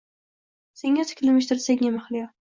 Senga tikilmishdir, senga mahliyo?